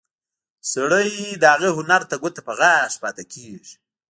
سړی د هغه هنر ته ګوته په غاښ پاتې کېږي.